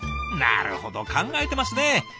なるほど考えてますね。